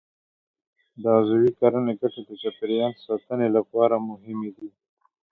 د عضوي کرنې ګټې د چاپېریال ساتنې لپاره مهمې دي.